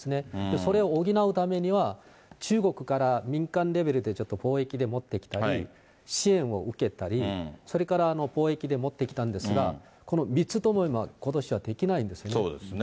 それを補うためには、中国から民間レベルでちょっと貿易で持ってきたり、支援を受けたり、それから貿易で持ってきたんですが、この３つともことしはできないんですね。